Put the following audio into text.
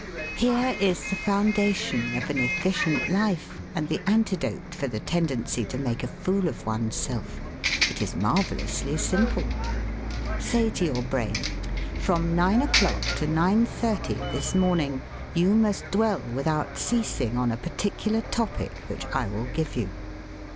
Here is the foundation of an efficient life and the antidote for the tendency to make a fool of oneself. It is marvellously simple. Say to your brain: 'From 9 o'clock to 9.30 this morning you must dwell without ceasing on a particular topic which I will give you.'